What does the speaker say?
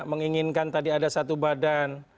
menginginkan tadi ada satu badan